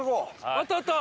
あったあった！